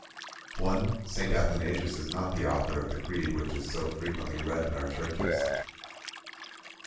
1. St. Athanasius is not the author of the creed which is so frequently read in our churches.